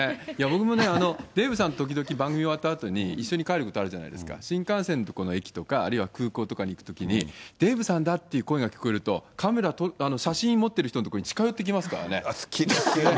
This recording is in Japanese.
僕もデーブさん、時々番組終わったあとに一緒に帰ることあるじゃないですか、新幹線の駅とか、あるいは空港とかに行くときに、デーブさんだっていう声が聞こえると、カメラ、写真持ってる人の所に近寄っていきますからね。